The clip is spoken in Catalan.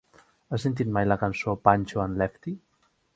Has sentit mai la cançó "Pancho and Lefty"?